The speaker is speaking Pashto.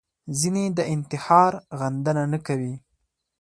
ځینې د انتحار غندنه نه کوي